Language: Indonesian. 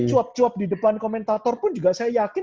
cuap cuap di depan komentator pun juga saya yakin